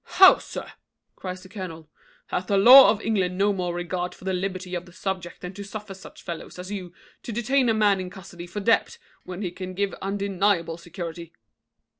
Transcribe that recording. "How, sir!" cries the colonel, "hath the law of England no more regard for the liberty of the subject than to suffer such fellows as you to detain a man in custody for debt, when he can give undeniable security?"